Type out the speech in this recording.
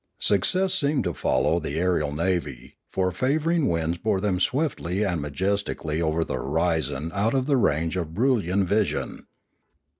Success seemed to follow the aerial navy, for favouring winds bore them swiftly and majestically over the hori zon out of the range of Broolyian vision.